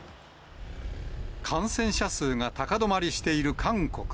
感染者数が高止まりしている韓国。